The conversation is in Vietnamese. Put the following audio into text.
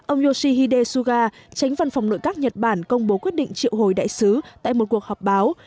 ông yoshihide suga tránh văn phòng nội các nhật bản công bố quyết định triệu hồi đại sứ tại một cuộc họp báo